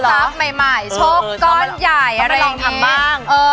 ราบทรัพย์ใหม่ชกกร่อนใหญ่อะไรอย่างนี้